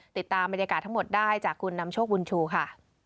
ติดตามบรรยากาศทั้งหมดได้จากคุณนำโชคบุญชูค่ะ